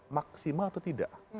maksimal atau tidak